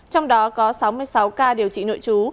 trong đó có sáu mươi sáu ca điều trị nội trú